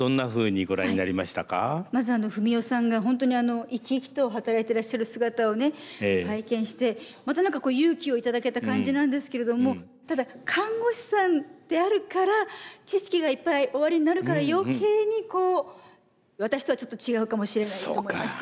まず史世さんが本当に生き生きと働いてらっしゃる姿をね拝見してまた何かこう勇気を頂けた感じなんですけれどもただ看護師さんであるから知識がいっぱいおありになるから余計にこう私とはちょっと違うかもしれないと思いました。